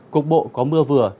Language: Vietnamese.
cục bộ có mưa vừa